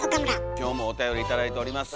今日もおたより頂いております。